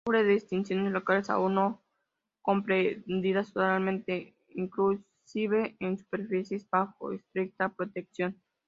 Sufre de extinciones locales aún no comprendidas totalmente, inclusive en superficies bajo estricta protección.